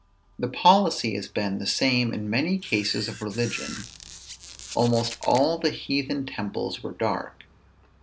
The policy has been the same in many cases of religion. Almost all the heathen temples were dark.